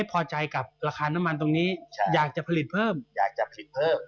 พอใจกับราคาน้ำมันตรงนี้อยากจะผลิตเพิ่มอยากจะผลิตเพิ่ม